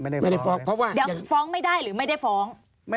เดี๋ยวฟ้องไม่ได้หรือไม่ได้ฟ้อง